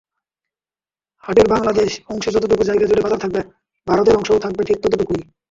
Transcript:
হাটের বাংলাদেশ অংশে যতটুকু জায়গাজুড়ে বাজার থাকবে, ভারতের অংশেও থাকবে ঠিক ততটুকুই।